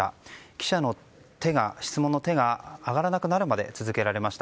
記者の質問の手が上がらなくなるまで続けられました。